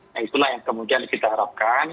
nah itulah yang kemudian kita harapkan